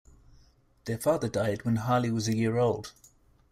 Their father died when Harley was a year old.